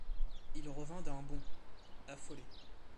Il revint d’un bond, affolé.